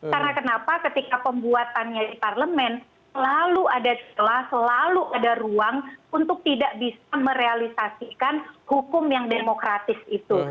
karena kenapa ketika pembuatannya di parlemen selalu ada celah selalu ada ruang untuk tidak bisa merealisasikan hukum yang demokratis itu